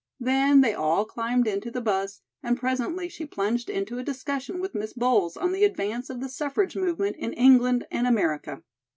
Then they all climbed into the bus and presently she plunged into a discussion with Miss Bowles on the advance of the suffrage movement in England and America.